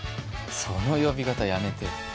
その呼び方やめてよ。